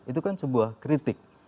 itu kan sebuah kritik